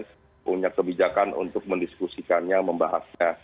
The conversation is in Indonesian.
punya kebijakan untuk mendiskusikannya membahasnya